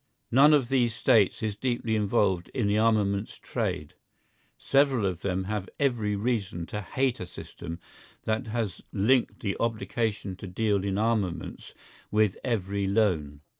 None of these States is deeply involved in the armaments trade, several of them have every reason to hate a system that has linked the obligation to deal in armaments with every loan.